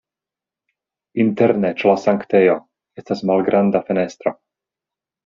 Interne ĉe la sanktejo estas malgranda fenestro.